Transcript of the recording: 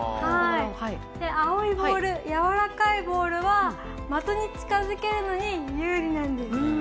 青いボール、やわらかいボールは的に近づけるのに有利なんです。